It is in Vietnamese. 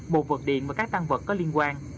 một vật điện và các tăng vật có liên quan